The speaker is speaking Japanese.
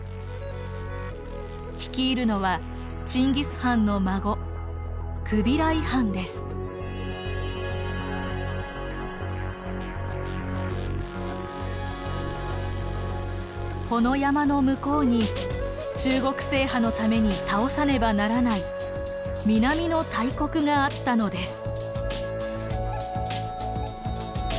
率いるのはチンギス・ハンの孫この山の向こうに中国制覇のために倒さねばならない南の大国があったのです。